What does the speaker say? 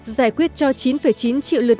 giải quyết cho chín chín triệu lượt